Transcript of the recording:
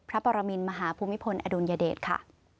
ปรมินมหาภูมิพลอดุลยเดชค่ะ